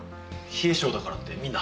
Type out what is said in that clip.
冷え性だからってみんな。